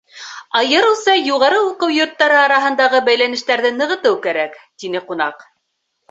Айырыуса юғары уҡыу йорттары араһындағы бәйләнештәрҙе нығытыу кәрәк, — тине ҡунаҡ.